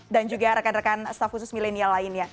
dan juga rekan rekan staff khusus milenial lainnya